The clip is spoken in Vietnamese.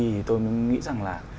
thì tôi nghĩ rằng là